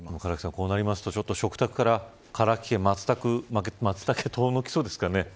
こうなりますと、食卓からマツタケが遠のきそうですかね。